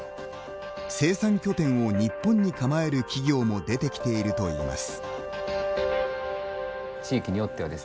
生産拠点を日本に構える企業も出てきているといいます。